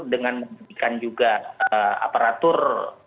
dengan juga menggunakan aparatur